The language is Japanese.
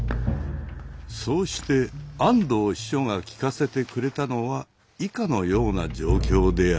そうして安藤秘書が聞かせてくれたのは以下のような状況である。